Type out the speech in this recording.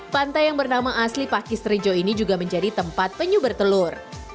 pantai yang bernama asli pakis trijo ini juga menjadi tempat penyu bertelur